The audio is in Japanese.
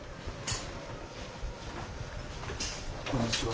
こんにちは。